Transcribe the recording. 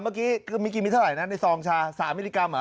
เมื่อกี้มีเท่าไหร่นะในทรองชา๓มิลลิกรัม